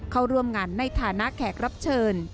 เข้าร่วมงานในฐานะแขกรับเชิญ